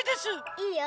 いいよ。